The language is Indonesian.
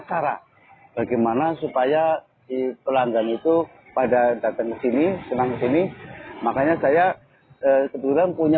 cara bagaimana supaya si pelanggan itu pada datang ke sini senang kesini makanya saya kebetulan punya